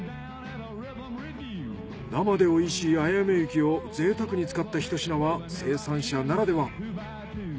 生でおいしいあやめ雪を贅沢に使ったひと品は生産者ならでは。